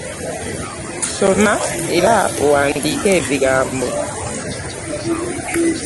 Soma era owandiike ebigambo.